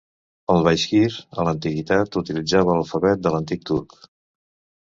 El baixkir a l'antiguitat utilitzava l'alfabet de l'antic turc.